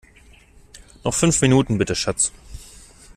Noch fünf Minuten bitte, Schatz!